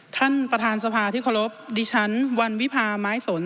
ท่านประธานสภาที่เคารพดิฉันวันวิพาไม้สน